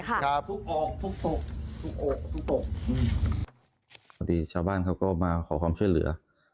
เฉลี่ยบ้านเขาก็มาขอความช่วยเหลือ